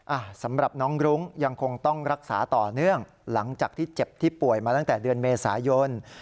อ่ะสำหรับน้องรุ้งยังคงต้องรักษาต่อเนื่องหลังจากที่เจ็บที่ป่วยมาตั้งแต่เดือนเมษายน